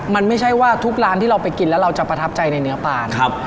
มันไม่ใช่ว่าทุกร้านที่เราไปกินแล้วเราจะประทับใจในเนื้อปลานะครับ